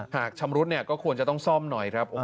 ชำรุดก็ควรจะต้องซ่อมหน่อยครับ